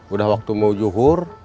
udah waktu mau yuhur